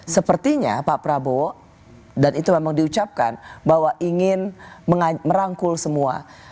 sepertinya pak prabowo dan itu memang diucapkan bahwa ingin merangkul semua